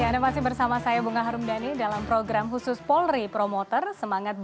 namun tidak apenas sekolah